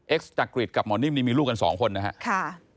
เอ็กซ์ตากริดกับหมอนิ่มมีลูกกันสองคนนะครับ